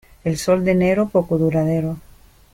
El sol de enero poco duradero.